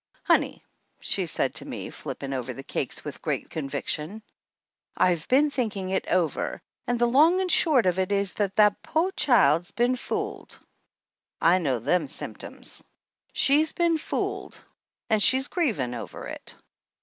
"Honey," she said to me, flipping over the cakes with great conviction, "I've been thinking it over and the long and short of it is that pore child's been fooled! I know them symptoms! She's been fooled and she's grievin' over it.